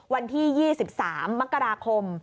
วันที่๒๓มกราคม